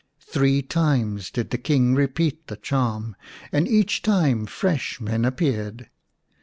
Three times did the King repeat the charm, and each time fresh men appeared.